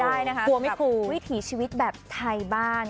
เข้าไปดูได้นะคะวิถีชีวิตแบบไทยบ้าน